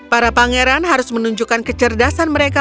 para pangeran harus menunjukkan kecerdasan mereka